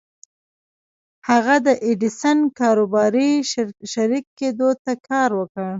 هغه د ايډېسن کاروباري شريک کېدو ته کار وکړ.